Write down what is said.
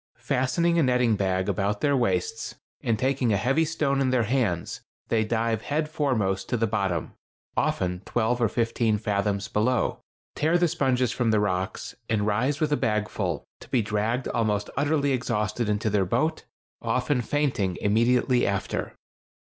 Fastening a netting bag about their waists, and taking a heavy stone in their hands, they dive head foremost to the bottom,—often twelve or fifteen fathoms below,—tear the sponges from the rocks, and rise with a bagful, to be dragged almost utterly exhausted into their boat, often fainting immediately after.